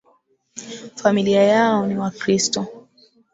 Familia yao ni wakristo